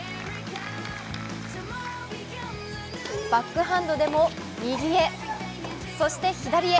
バックハンドでも右へ、そして左へ。